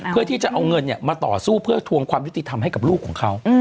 เพื่อที่จะเอาเงินมาต่อสู้เพื่อทวงความยุติธรรมให้กับลูกของเขา